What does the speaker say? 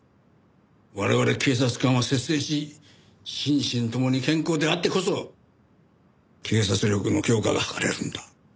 我々警察官は節制し心身共に健康であってこそ警察力の強化が図れるんだ。